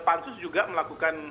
pansus juga melakukan